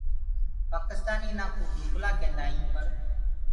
پآڪِستآنيٚ انآ ڪوُ گُرگلآ ڪينٚدآئينٚ پر